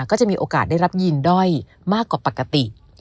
ก็จะมีโอกาสได้รับยินด้อยมากกว่าปกติ